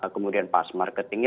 kemudian pass marketingnya